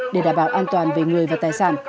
để đảm bảo an toàn về người và tài sản